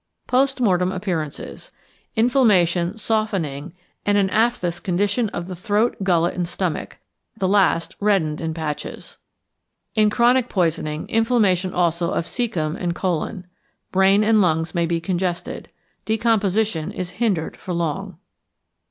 Post Mortem Appearances. Inflammation, softening, and an aphthous condition of the throat, gullet, and stomach, the last reddened in patches. In chronic poisoning, inflammation also of cæcum and colon. Brain and lungs may be congested. Decomposition is hindered for long.